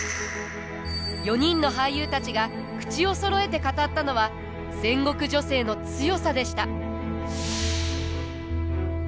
４人の俳優たちが口をそろえて語ったのは戦国女性の強さでした。